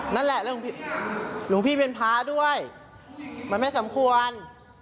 นั่นแหละแล้วหลวงพี่เป็นพระด้วยมันไม่สมควร